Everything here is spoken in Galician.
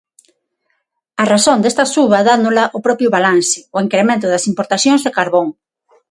A razón desta suba dánola o propio balance: o incremento das importacións de carbón.